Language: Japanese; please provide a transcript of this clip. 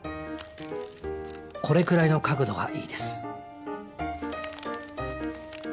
これくらいの角度がいいです